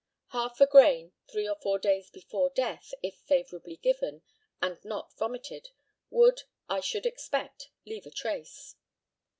Half a grain three or four days before death, if favourably given, and not vomited, would, I should expect, leave a trace.